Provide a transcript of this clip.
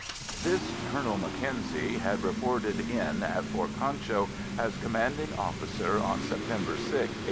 This Colonel Mackenzie had reported in at Fort Concho as commanding officer on September 6, 1869.